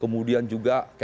kemudian juga cuci darah ya